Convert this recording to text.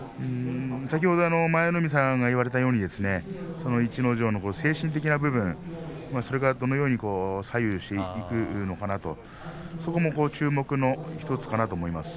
先ほど舞の海さんが言われたように逸ノ城の精神的な部分それがどのように左右していくのかなとそこも注目の１つかなと思います。